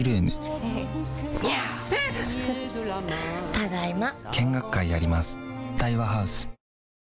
ただいま。